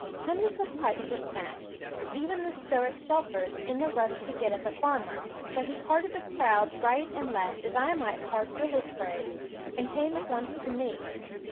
Hundreds of pipes were smashed, even the Stoic Shelfer's, in the rush to get at the farmer; but he parted the crowd right and left, as I might part willow sprays, and came at once to me.